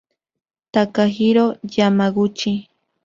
Takahiro Yamaguchi